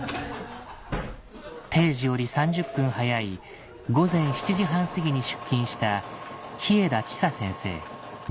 定時より３０分早い午前７時半過ぎに出勤した稗田千紗先生